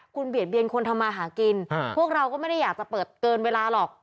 คุณเบียดเบียนคนทำมาหากินพวกเราก็ไม่ได้อยากจะเปิดเกินเวลาหรอก